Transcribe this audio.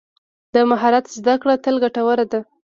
د مهارت زده کړه تل ګټوره ده.